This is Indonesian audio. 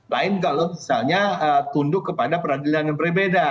lain kalau misalnya tunduk kepada peradilan yang berbeda